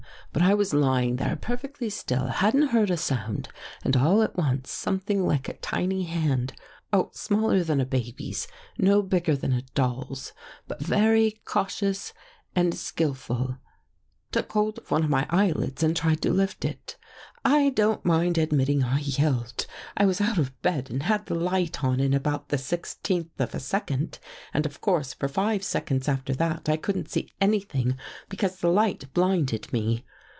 But I was lying there perfectly still, hadn't heard a sound, and all at once, something like a tiny hand — oh, smaller than a baby's, no big ger than a doll's, but very cautious and skillful, — took hold of one of my eyelids and tried to lift it. " I don't mind admitting I yelled. I was out of bed and had the light on in about the sixteenth of a second and of course for five seconds after that I couldn't see anything because the light blinded me.